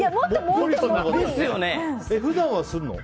普段はするの？